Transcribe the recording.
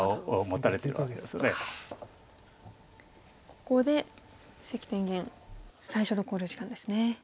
ここで関天元最初の考慮時間ですね。